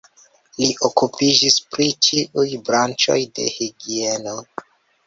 Li okupiĝis pri ĉiuj branĉoj de higieno.